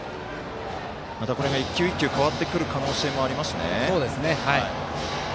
またこれが一球一球変わってくる可能性がありますね。